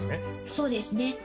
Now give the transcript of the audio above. そうですね。